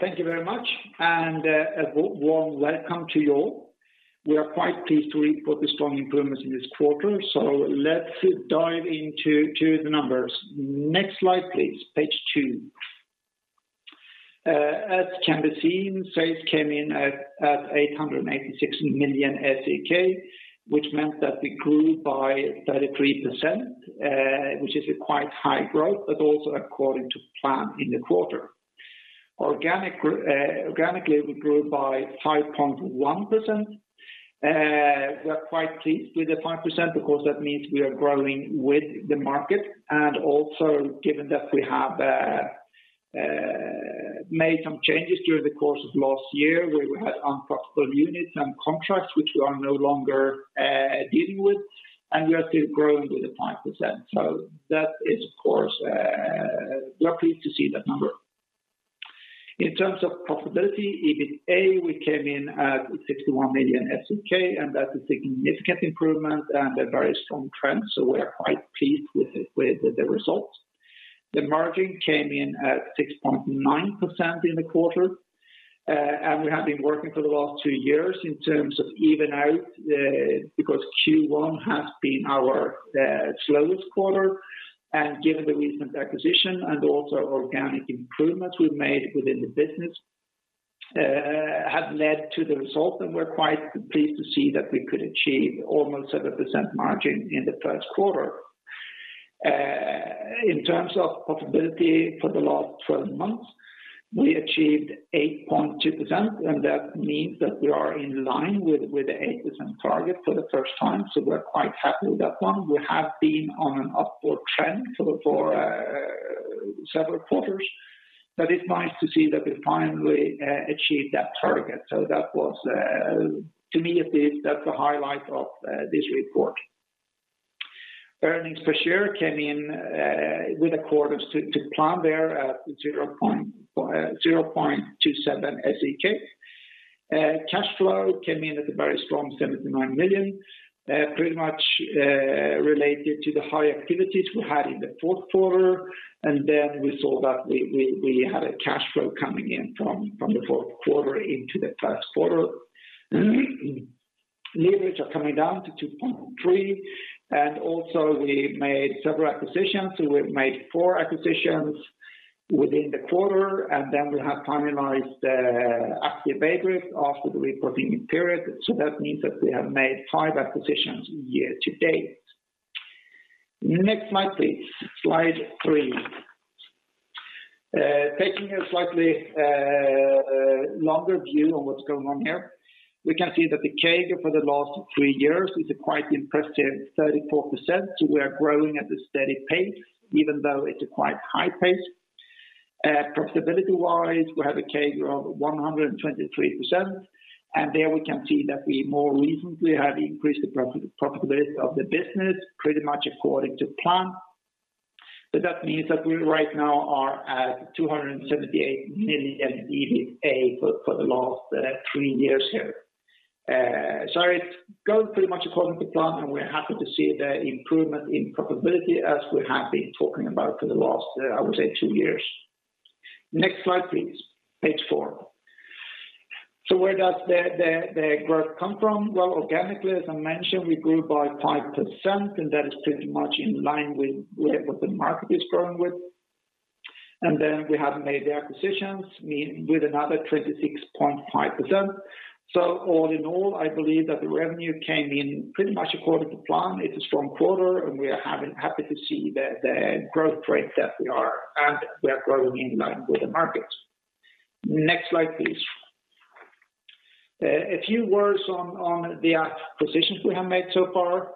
Thank you very much and, a warm welcome to you all. We are quite pleased to report the strong improvements in this quarter. Let's dive into the numbers. Next slide, please. Page two. As can be seen, sales came in at 886 million SEK, which meant that we grew by 33%, which is a quite high growth, but also according to plan in the quarter. Organically, we grew by 5.1%. We are quite pleased with the 5% because that means we are growing with the market, and also given that we have made some changes during the course of last year, where we had unprofitable units and contracts which we are no longer dealing with, and we are still growing with the 5%. That is, of course, we're pleased to see that number. In terms of profitability, EBITA, we came in at 61 million SEK, and that's a significant improvement and a very strong trend, so we are quite pleased with the results. The margin came in at 6.9% in the quarter, and we have been working for the last two years because Q1 has been our slowest quarter. Given the recent acquisition and also organic improvements we've made within the business have led to the result, and we're quite pleased to see that we could achieve almost 7% margin in the first quarter. In terms of profitability for the last 12 months, we achieved 8.2%, and that means that we are in line with the 8% target for the first time. We're quite happy with that one. We have been on an upward trend for several quarters, but it's nice to see that we finally achieved that target. That was, to me, at least, that's the highlight of this report. Earnings per share came in in accordance with plan there at 0.27 SEK. Cash flow came in at a very strong 79 million, pretty much related to the high activities we had in the fourth quarter. Then we saw that we had a cash flow coming in from the fourth quarter into the first quarter. Leverage are coming down to 2.3. We also made several acquisitions. We've made 4 acquisitions within the quarter, and then we have finalized Aktiv Veidrift after the reporting period. That means that we have made five acquisitions year to date. Next slide, please. Slide 3. Taking a slightly longer view on what's going on here, we can see that the CAGR for the last three years is quite impressive 34%. We are growing at a steady pace, even though it's a quite high pace. Profitability-wise, we have a CAGR of 123%, and there we can see that we more recently have increased the profitability of the business pretty much according to plan. That means that we right now are at 278 million in EBITA for the last three years here. It's going pretty much according to plan, and we're happy to see the improvement in profitability as we have been talking about for the last, I would say two years. Next slide, please. Page four. Where does the growth come from? Well, organically, as I mentioned, we grew by 5%, and that is pretty much in line with where the market is growing with. Then we have made the acquisitions with another 26.5%. All in all, I believe that the revenue came in pretty much according to plan. It's a strong quarter, and we're happy to see the growth rate that we are, and we are growing in line with the market. Next slide, please. A few words on the acquisitions we have made so far.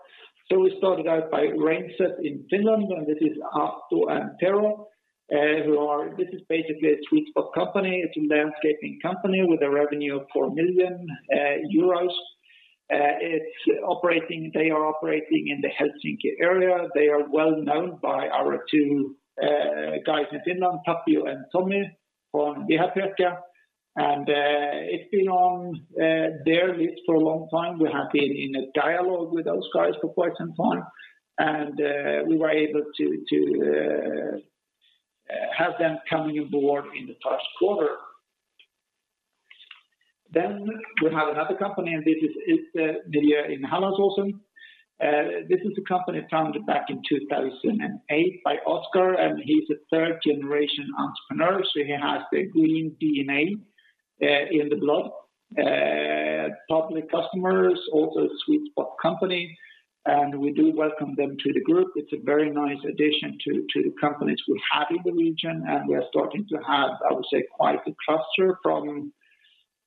We started out by Rainset in Finland, and this is Ahto and Tero. This is basically a sweet spot company. It's a landscaping company with a revenue of 4 million euros. It's operating in the Helsinki area. They are well known by our two guys in Finland, Tapio and Tommy from Viher-Pirkka. It's been on their list for a long time. We have been in a dialogue with those guys for quite some time, and we were able to have them coming on board in the first quarter. We have another company, and this is Utemiljo in Hallandsåsens. This is a company founded back in 2008 by Oskar, and he's a third-generation entrepreneur, so he has the green DNA in the blood. Public customers, also a sweet spot company, and we do welcome them to the group. It's a very nice addition to the companies we have in the region, and we are starting to have, I would say, quite a cluster from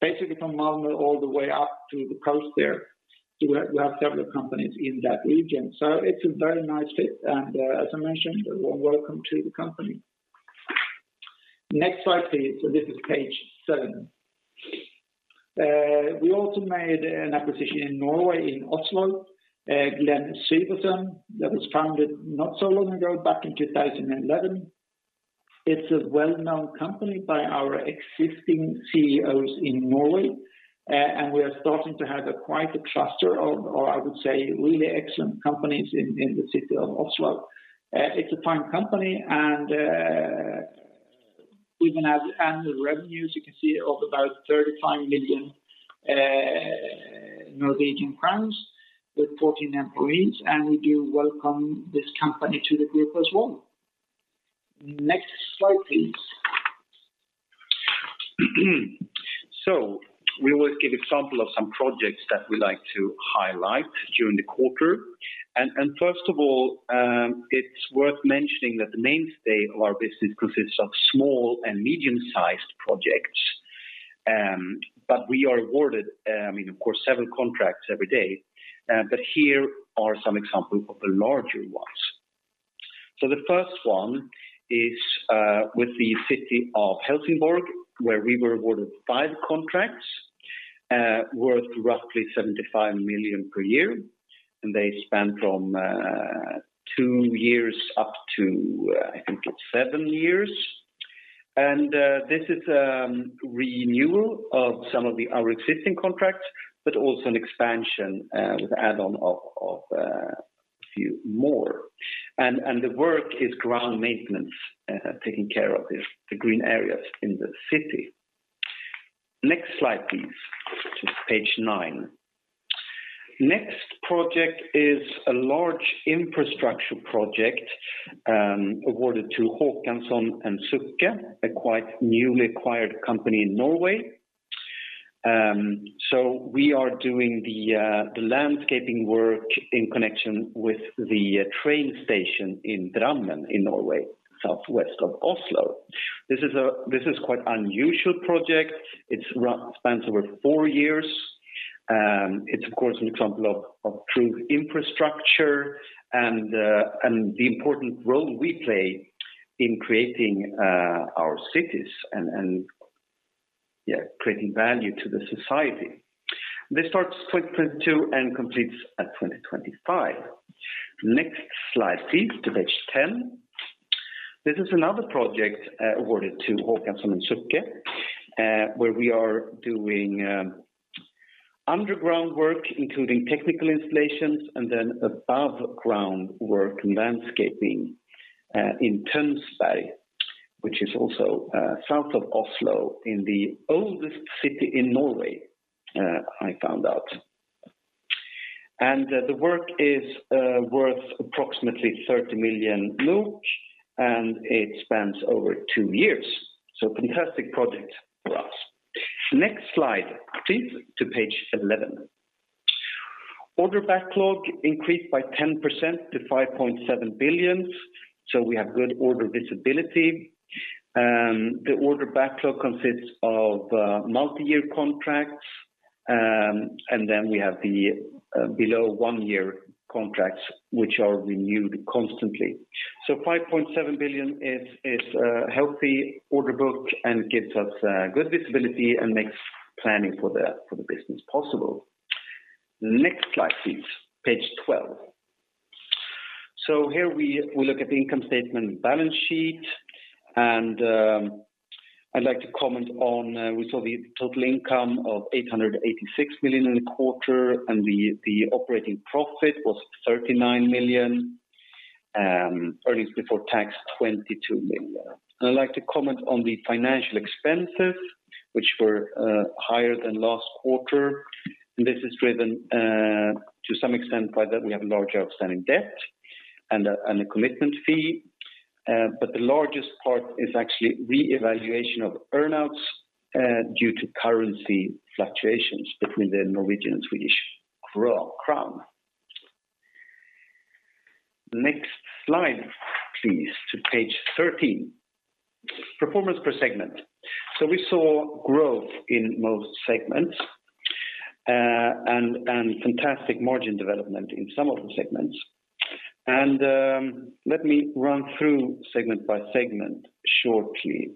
basically from Malmö all the way up to the coast there. We have several companies in that region. It's a very nice fit, and as I mentioned, warm welcome to the company. Next slide, please. This is page seven. We also made an acquisition in Norway, in Oslo, Glenn Syvertsen, that was founded not so long ago, back in 2011. It's a well-known company by our existing CEOs in Norway, and we are starting to have quite a cluster of, or I would say, really excellent companies in the city of Oslo. It's a fine company and, We've been at annual revenues, you can see of about 35 million Norwegian crowns with 14 employees, and we do welcome this company to the group as well. Next slide, please. We always give example of some projects that we like to highlight during the quarter. First of all, it's worth mentioning that the mainstay of our business consists of small and medium-sized projects. We are awarded, I mean, of course, seven contracts every day. Here are some examples of the larger ones. The first one is with the city of Helsingborg, where we were awarded five contracts worth roughly 75 million per year, and they span from two years up to, I think it's seven years. This is renewal of some of our existing contracts, but also an expansion with add-on of a few more. The work is ground maintenance taking care of the green areas in the city. Next slide, please, to page nine. Next project is a large infrastructure project awarded to Håkonsen & Sukke, a quite newly acquired company in Norway. So we are doing the landscaping work in connection with the train station in Drammen in Norway, southwest of Oslo. This is quite unusual project. It spans over four years. It is of course an example of true infrastructure and the important role we play in creating our cities and creating value to the society. This starts 2022 and completes at 2025. Next slide, please, to page 10. This is another project, awarded to Håkonsen & Sukke, where we are doing underground work, including technical installations, and then above ground work and landscaping, in Tønsberg, which is also south of Oslo in the oldest city in Norway, I found out. The work is worth approximately 30 million NOK, and it spans over two years. Fantastic project for us. Next slide, please, to page 11. Order backlog increased by 10% to 5.7 billion. We have good order visibility. The order backlog consists of multi-year contracts, and then we have the below one-year contracts, which are renewed constantly. 5.7 billion is a healthy order book and gives us good visibility and makes planning for the business possible. Next slide, please. Page 12. Here we look at the income statement and balance sheet. I'd like to comment on. We saw the total income of 886 million in the quarter, and the operating profit was 39 million, earnings before tax 22 million. I'd like to comment on the financial expenses, which were higher than last quarter. This is driven to some extent by that we have larger outstanding debt and a commitment fee. The largest part is actually revaluation of earn-outs due to currency fluctuations between the Norwegian krone and the Swedish krona. Next slide, please, to page 13. Performance per segment. We saw growth in most segments, and fantastic margin development in some of the segments. Let me run through segment by segment shortly.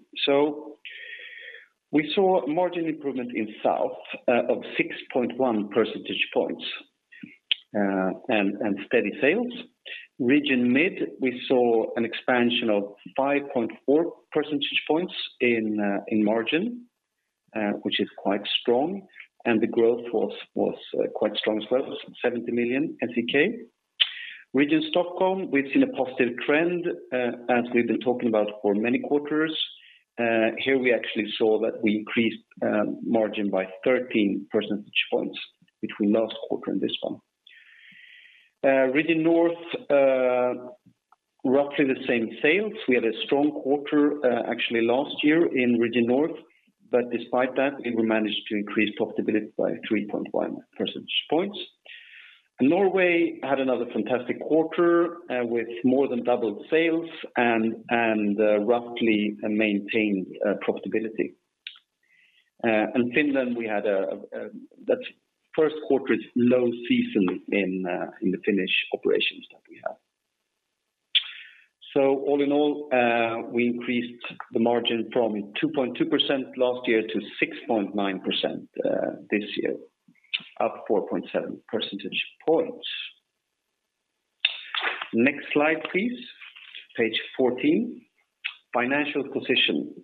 We saw margin improvement in Region South of 6.1 percentage points, and steady sales. Region Mid, we saw an expansion of 5.4 percentage points in margin, which is quite strong, and the growth was quite strong as well, 70 million. Region Stockholm, we've seen a positive trend as we've been talking about for many quarters. Here we actually saw that we increased margin by 13 percentage points between last quarter and this one. Region North, roughly the same sales. We had a strong quarter actually last year in Region North, but despite that, we managed to increase profitability by 3.1 percentage points. Norway had another fantastic quarter with more than doubled sales and roughly maintained profitability. Finland, we had that first quarter is low season in the Finnish operations that we have. All in all, we increased the margin from 2.2% last year to 6.9% this year, up 4.7 percentage points. Next slide, please. Page 14, financial position.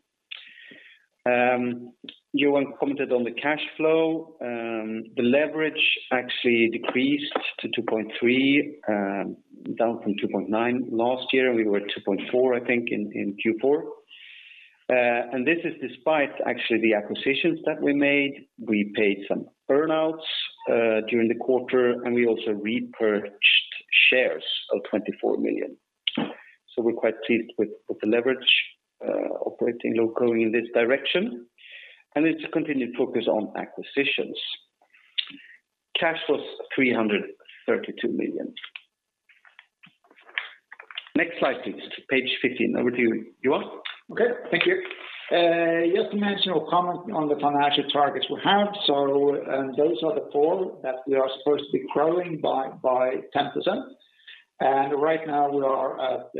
Johan commented on the cash flow. The leverage actually decreased to 2.3, down from 2.9 last year, we were at 2.4, I think, in Q4. This is despite actually the acquisitions that we made. We paid some earn-outs during the quarter, and we also repurchased shares of 24 million. We're quite pleased with the leverage going in this direction. It's a continued focus on acquisitions. Cash was 332 million. Next slide, please. Page 15. Over to you, Johan. Just to mention or comment on the financial targets we have. Those are the four that we are supposed to be growing by 10%. Right now we are at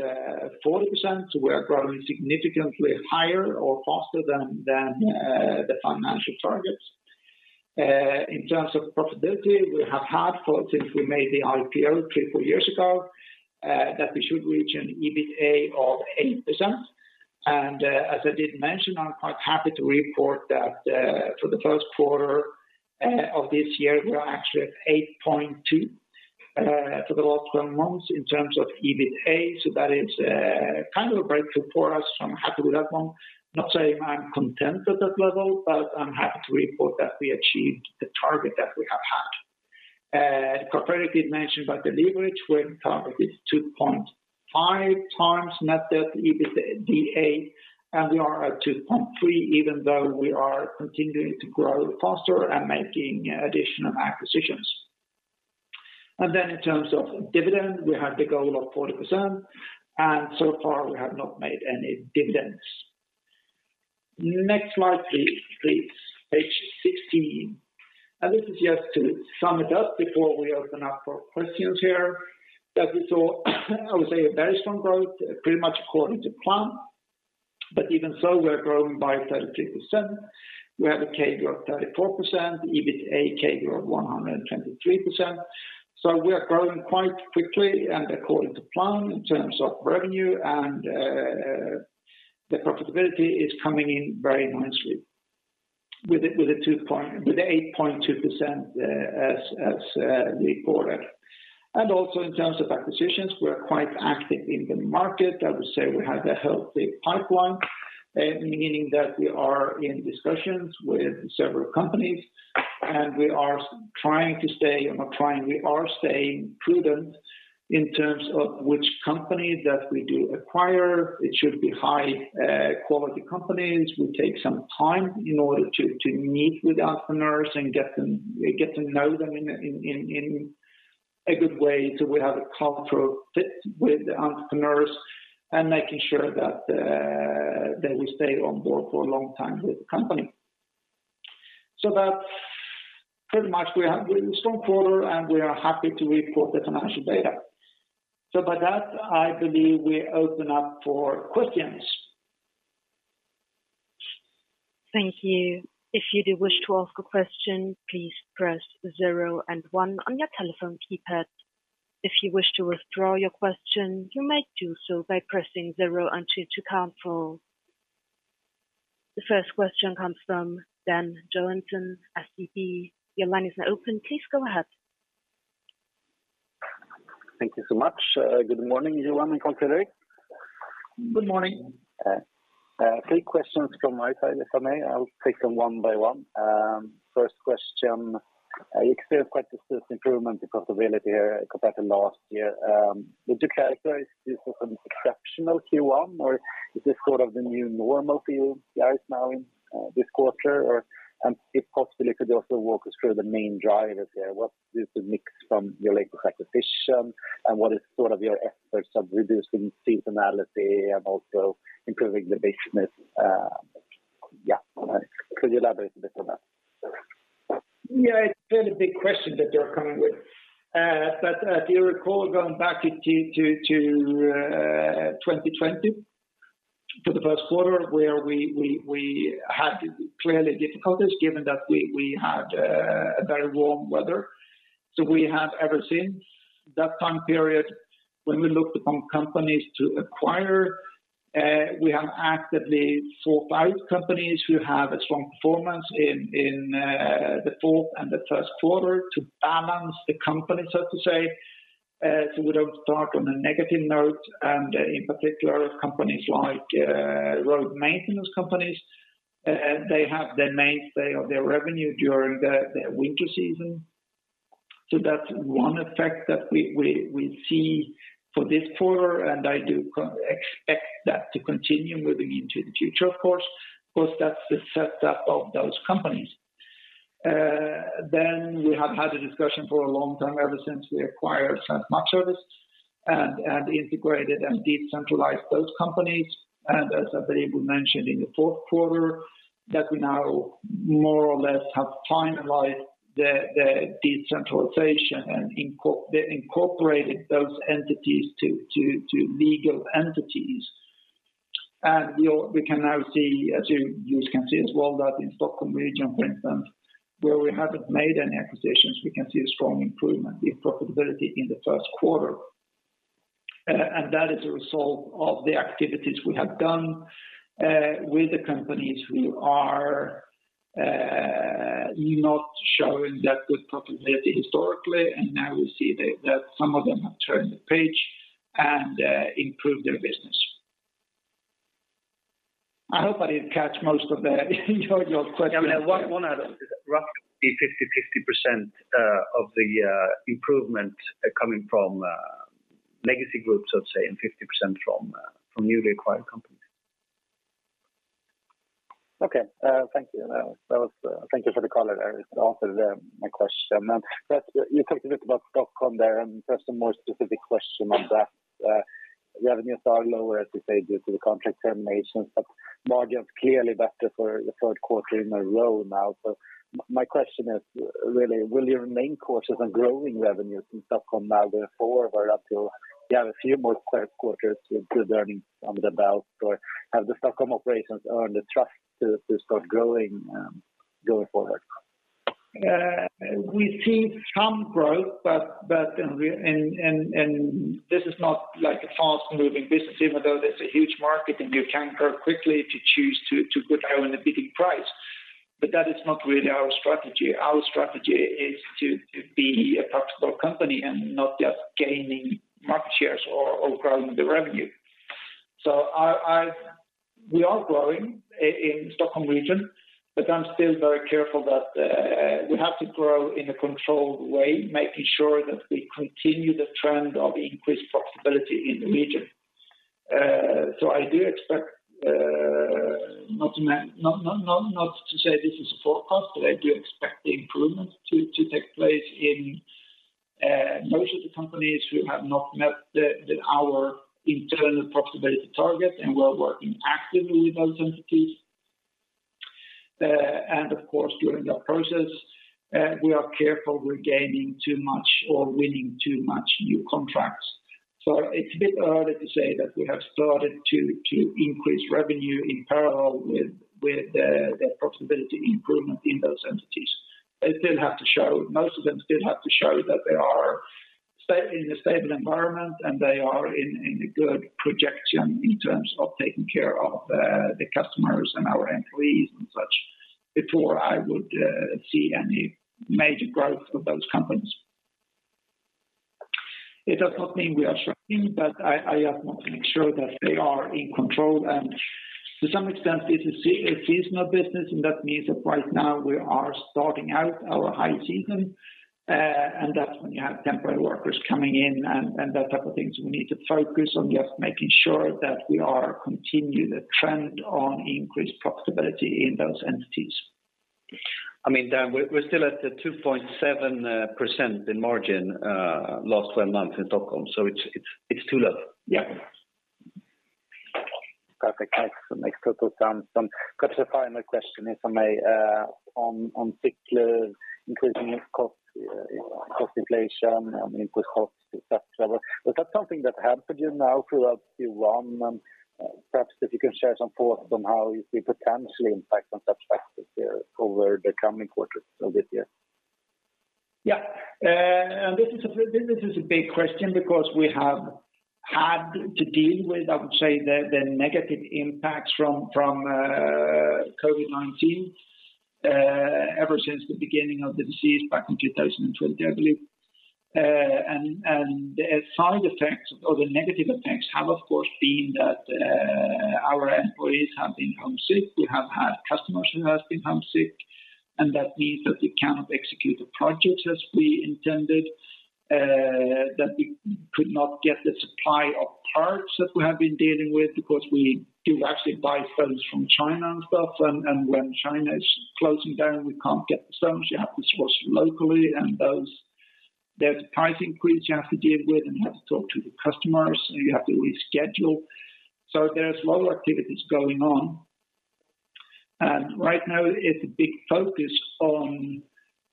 40%. We are growing significantly higher or faster than the financial targets. In terms of profitability, we have had since we made the IPO three or four years ago that we should reach an EBITA of 8%. As I did mention, I'm quite happy to report that for the first quarter of this year, we are actually at 8.2% for the last 12 months in terms of EBITA. That is kind of a breakthrough for us, so I'm happy with that one. Not saying I'm content at that level, but I'm happy to report that we achieved the target that we have had. Carl-Fredrik did mention about the leverage where the target is 2.5 times net debt EBITDA, and we are at 2.3, even though we are continuing to grow faster and making additional acquisitions. In terms of dividend, we had the goal of 40%, and so far we have not made any dividends. Next slide, please. Page 16. This is just to sum it up before we open up for questions here, that we saw, I would say, a very strong growth, pretty much according to plan. Even so, we are growing by 33%. We have organic growth 34%, EBITDA organic growth 123%. We are growing quite quickly and according to plan in terms of revenue. The profitability is coming in very nicely with the 8.2% as reported. Also in terms of acquisitions, we are quite active in the market. I would say we have a healthy pipeline, meaning that we are in discussions with several companies, and we are staying prudent in terms of which company that we do acquire. It should be high quality companies. We take some time in order to meet with entrepreneurs and get to know them in a good way so we have a cultural fit with the entrepreneurs and making sure that they will stay on board for a long time with the company. That's pretty much we have a strong quarter, and we are happy to report the financial data. By that, I believe we open up for questions. Thank you. If you do wish to ask a question, please press zero and one on your telephone keypad. If you wish to withdraw your question, you might do so by pressing zero and two to cancel. The first question comes from Dan Johansson, SEB. Your line is now open. Please go ahead. Thank you so much. Good morning, Johan and Carl-Fredrik. Good morning. Three questions from my side, if I may. I'll take them one by one. First question, you experienced quite a serious improvement in profitability here compared to last year. Would you characterize this as an exceptional Q1, or is this sort of the new normal for you guys now in this quarter? And if possibly, could you also walk us through the main drivers here? What is the mix from your latest acquisition? And what is sort of your efforts of reducing seasonality and also improving the business? Could you elaborate a bit on that? Yeah. It's a fairly big question that you're coming with. If you recall going back to 2020, for the first quarter where we had clearly difficulties given that we had a very warm weather. We have ever since that time period, when we looked upon companies to acquire, we have actively sought out companies who have a strong performance in the fourth and the first quarter to balance the company, so to say, so we don't start on a negative note. In particular, companies like road maintenance companies, they have the mainstay of their revenue during the winter season. That's one effect that we see for this quarter, and I do expect that to continue moving into the future, of course, because that's the setup of those companies. We have had a discussion for a long time, ever since we acquired Svensk Markservice and integrated and decentralized those companies. As I believe we mentioned in the fourth quarter, that we now more or less have finalized the decentralization and incorporated those entities to legal entities. We can now see, as you can see as well, that in Region Stockholm, for instance, where we haven't made any acquisitions, we can see a strong improvement in profitability in the first quarter. That is a result of the activities we have done with the companies who are not showing that good profitability historically. Now we see that some of them have turned the page and improved their business. I hope I didn't catch most of your question there. Roughly 50% of the improvement coming from legacy groups, I'd say, and 50% from newly acquired companies. Okay. Thank you for the color. It answered my question. You talked a bit about Stockholm there, and just a more specific question on that. Revenues are lower, as you say, due to the contract terminations, but margins clearly better for the third quarter in a row now. My question is really, will you remain cautious on growing revenues in Stockholm now going forward until you have a few more third quarters with good earnings under the belt? Have the Stockholm operations earned the trust to start growing going forward? We've seen some growth. This is not like a fast-moving business, even though there's a huge market, and you can grow quickly if you choose to put out a bidding price. That is not really our strategy. Our strategy is to be a profitable company and not just gaining market shares or growing the revenue. We are growing in Region Stockholm, but I'm still very careful that we have to grow in a controlled way, making sure that we continue the trend of increased profitability in the region. I do expect, not to say this is a forecast, but I do expect the improvements to take place in most of the companies who have not met our internal profitability target, and we're working actively with those entities. Of course, during that process, we are careful with gaining too much or winning too much new contracts. It's a bit early to say that we have started to increase revenue in parallel with the profitability improvement in those entities. They still have to show most of them still have to show that they are in a stable environment, and they are in a good projection in terms of taking care of the customers and our employees and such before I would see any major growth for those companies. It does not mean we are shrinking, but I just want to make sure that they are in control. To some extent, this is a seasonal business, and that means that right now we are starting out our high season, and that's when you have temporary workers coming in and that type of things. We need to focus on just making sure that we are continue the trend on increased profitability in those entities. I mean, Dan, we're still at the 2.7% in margin last 12 months in Stockholm, so it's too low. Yeah. Perfect. Thanks. Makes total sense. Perhaps a final question, if I may, on fixed and increasing costs, cost inflation, input costs, et cetera. Was that something that happened to you, not throughout the year one? Perhaps if you can share some thoughts on how it will potentially impact on that factor there over the coming quarters of this year. Yeah. This is a big question because we have had to deal with, I would say, the negative impacts from COVID-19 ever since the beginning of the disease back in 2020, I believe. The side effects or the negative effects have, of course, been that our employees have been home sick. We have had customers who have been home sick, and that means that we cannot execute the projects as we intended, that we could not get the supply of parts that we have been dealing with because we do actually buy plants from China and stuff. When China is closing down, we can't get the plants. You have to source locally. There's price increase you have to deal with, and you have to talk to the customers, and you have to reschedule. There's a lot of activities going on. Right now it's a big focus on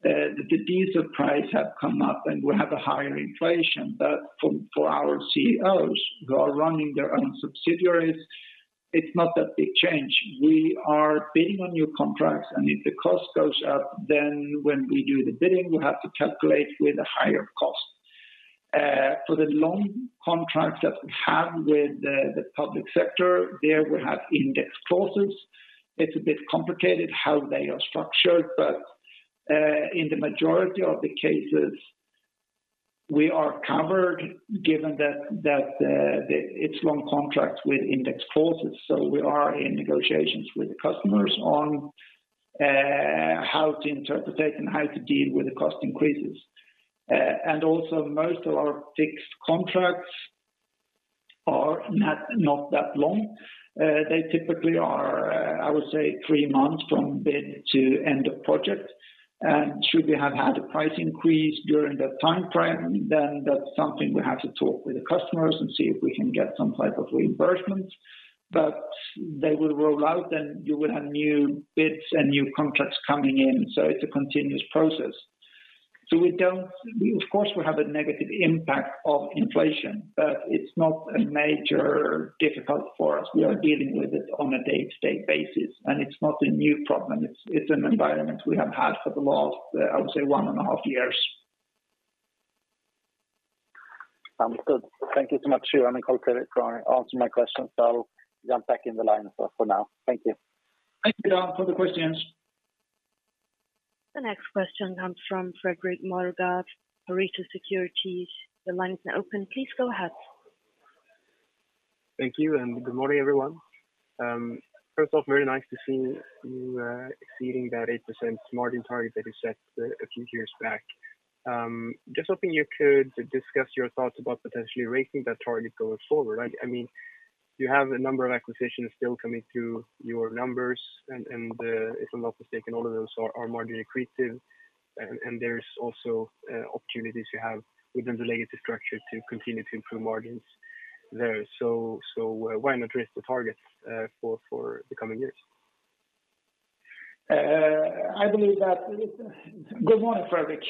the diesel price have come up, and we have a higher inflation. For our CEOs who are running their own subsidiaries, it's not that big change. We are bidding on new contracts, and if the cost goes up, then when we do the bidding, we have to calculate with a higher cost. For the long contracts that we have with the public sector, there we have index clauses. It's a bit complicated how they are structured, but in the majority of the cases, we are covered given that it's long contracts with index clauses. We are in negotiations with the customers on how to interpret it and how to deal with the cost increases. Also, most of our fixed contracts are not that long. They typically are, I would say, three months from bid to end of project. Should we have had a price increase during that timeframe, then that's something we have to talk with the customers and see if we can get some type of reimbursement. They will roll out, and you will have new bids and new contracts coming in. It's a continuous process. We, of course, will have a negative impact of inflation, but it's not a major difficulty for us. We are dealing with it on a day-to-day basis, and it's not a new problem. It's an environment we have had for the last, I would say, one and a half years. Thank you so much, Johan and Fredrik, for answering my questions. I'll jump back in the line for now. Thank you. Thank you, Dan, for the questions. The next question comes from Alexander Siljeström, Pareto Securities. The line is now open. Please go ahead. Thank you, good morning, everyone. First off, very nice to see you exceeding that 8% margin target that you set a few years back. Just hoping you could discuss your thoughts about potentially raising that target going forward. I mean, you have a number of acquisitions still coming through your numbers and if I'm not mistaken, all of those are margin-accretive. There's also opportunities you have within the legacy structure to continue to improve margins there. Why not raise the targets for the coming years? Good morning, Fredrik.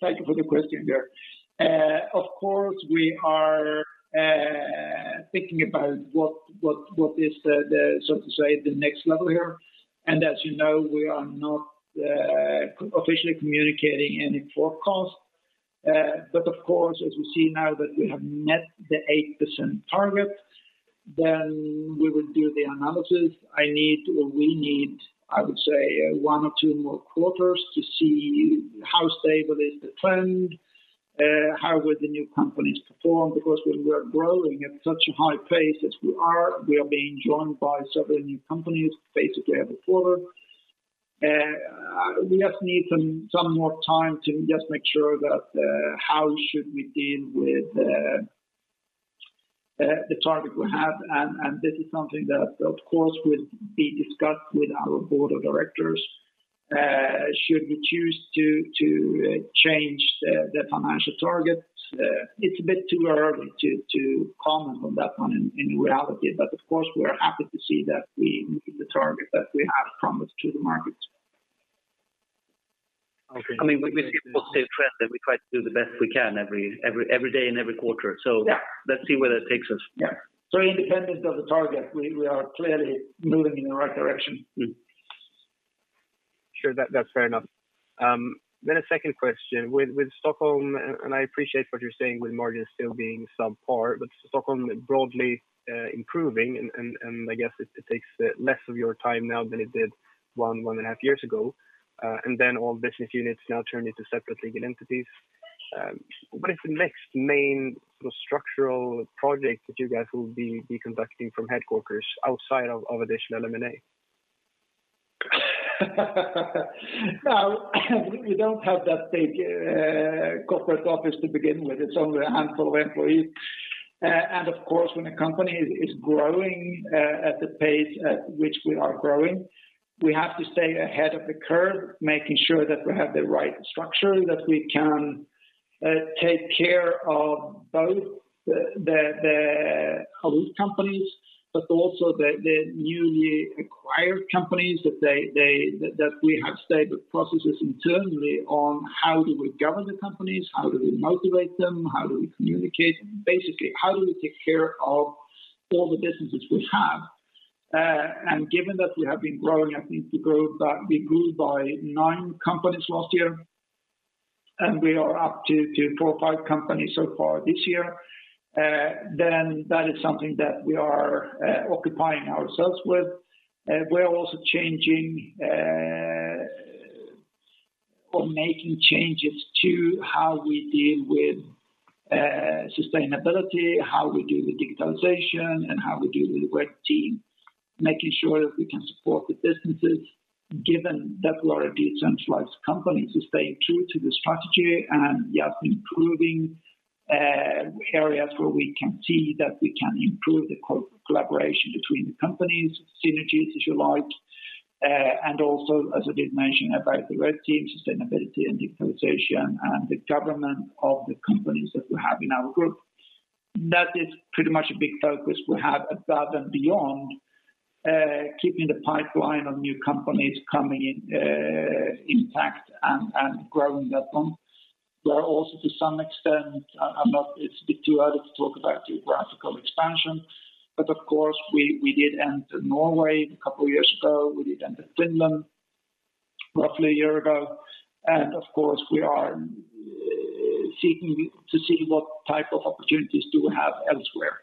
Thank you for the question there. Of course, we are thinking about what is the so to say the next level here. As you know, we are not officially communicating any forecast. Of course, as we see now that we have met the 8% target, then we will do the analysis. I need, or we need, I would say, one or two more quarters to see how stable is the trend, how will the new companies perform. Because when we're growing at such a high pace as we are, we are being joined by several new companies, basically every quarter. We just need some more time to just make sure that how should we deal with the target we have, and this is something that, of course, will be discussed with our board of directors. Should we choose to change the financial target? It's a bit too early to comment on that one in reality. Of course, we are happy to see that we meet the target that we have promised to the market. Okay. I mean, we see a positive trend, and we try to do the best we can every day and every quarter. Yeah. Let's see where that takes us. Yeah. Independent of the target, we are clearly moving in the right direction. Mm-hmm. Sure. That's fair enough. A second question. With Stockholm, and I appreciate what you're saying with margins still being subpar, but Stockholm broadly improving and I guess it takes less of your time now than it did one and a half years ago. All business units now turned into separate legal entities. What is the next main structural project that you guys will be conducting from headquarters outside of additional M&A? Now, we don't have that big corporate office to begin with. It's only a handful of employees. Of course, when a company is growing at the pace at which we are growing, we have to stay ahead of the curve, making sure that we have the right structure, that we can take care of both the legacy companies, but also the newly acquired companies, that we have stable processes internally on how we govern the companies, how we motivate them, how we communicate. Basically, how do we take care of all the businesses we have. Given that we have been growing at the growth that we grew by 9 companies last year, and we are up to four or five companies so far this year, then that is something that we are occupying ourselves with. We are also changing or making changes to how we deal with sustainability, how we deal with digitalization, and how we deal with the green team, making sure that we can support the businesses given that we're a decentralized company to stay true to the strategy and just improving areas where we can see that we can improve the collaboration between the companies, synergies, if you like. Also, as I did mention about the green team, sustainability and digitalization, and the governance of the companies that we have in our group. That is pretty much a big focus we have above and beyond keeping the pipeline of new companies coming in intact and growing that one. We are also to some extent. It's a bit too early to talk about geographical expansion. Of course, we did enter Norway a couple of years ago. We did enter Finland roughly a year ago. Of course, we are seeking to see what type of opportunities do we have elsewhere.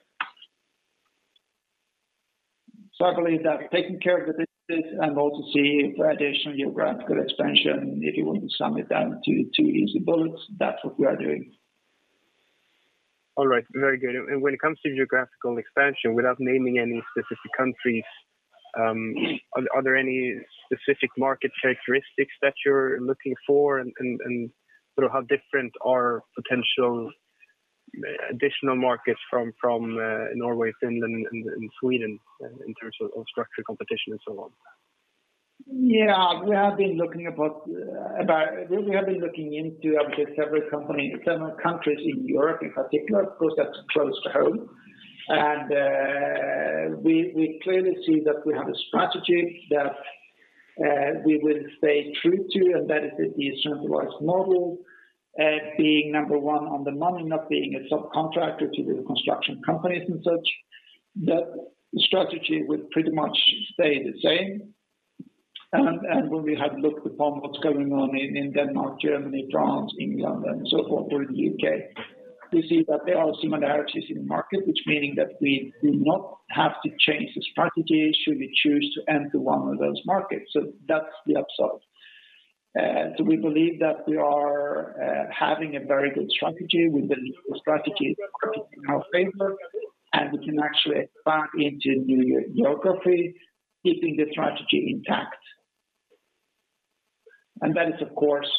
I believe that taking care of the business and also see if additional geographical expansion, if you want to sum it down to two easy bullets, that's what we are doing. All right. Very good. When it comes to geographical expansion, without naming any specific countries, are there any specific market characteristics that you're looking for? Sort of how different are potential additional markets from Norway, Finland, and Sweden in terms of structural competition and so on? Yeah. We have been looking into, obviously, several countries in Europe in particular. Of course, that's close to home. We clearly see that we have a strategy that we will stay true to, and that is the decentralized model, being number one on the money, not being a subcontractor to the construction companies and such. That strategy will pretty much stay the same. When we have looked upon what's going on in Denmark, Germany, France, England, and so on, or in the UK, we see that there are similarities in the market, which meaning that we do not have to change the strategy should we choose to enter one of those markets. That's the upshot. We believe that we are having a very good strategy. We believe the strategy is working in our favor, and we can actually expand into new geography, keeping the strategy intact. It's, of course,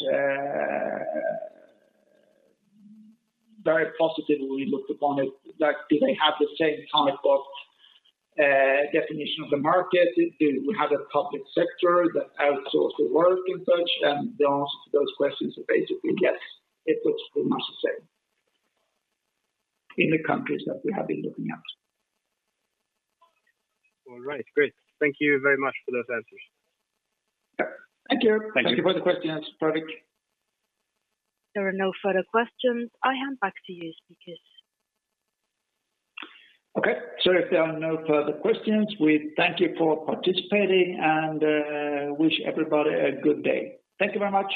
very positively looked upon it, like, do they have the same common definition of the market? Do we have a public sector that outsources work and such? The answer to those questions are basically yes. It looks pretty much the same in the countries that we have been looking at. All right. Great. Thank you very much for those answers. Yeah. Thank you. Thank you. Thank you for the questions, Alexander Siljeström. There are no further questions. I hand back to you, speakers. Okay. If there are no further questions, we thank you for participating and wish everybody a good day. Thank you very much.